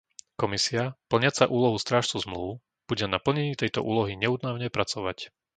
Komisia, plniaca úlohu strážcu zmlúv, bude na plnení tejto úlohy neúnavne pracovať.